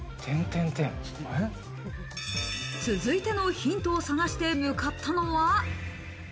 続いてのヒントを探して向かったのは。